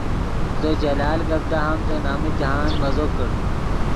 زو جلال گپ دہامتے نمن جاہند مزو کڑ